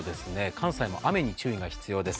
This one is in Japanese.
関西も雨に注意が必要です。